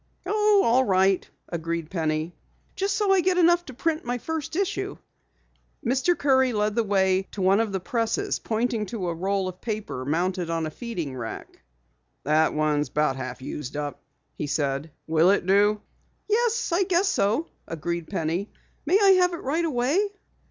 "Oh, all right," agreed Penny. "Just so I get enough to print my first issue." Mr. Curry led the way to one of the presses, pointing to a roll of paper mounted on a feeding rack. "That one is about half used up," he said. "Will it do?" "Yes, I guess so," agreed Penny. "May I have it right away?"